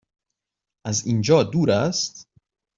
از اینجا دور است؟